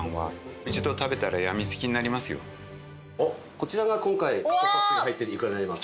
こちらが今回１パックに入ってるいくらになります。